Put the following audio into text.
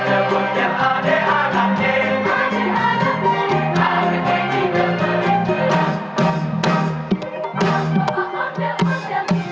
itu nyampu sana ramah ramah ikan manis